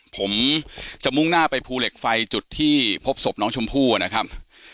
ผมจะมุ่งหน้าไปภูเหล็กไฟจุดที่พบศพน้องชมพู่นะครับ